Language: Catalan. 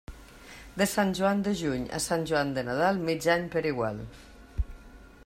De Sant Joan de juny a Sant Joan de Nadal, mig any per igual.